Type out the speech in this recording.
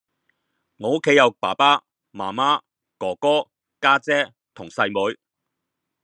我屋企有爸爸媽媽，哥哥，家姐同細妹